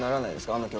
あの曲。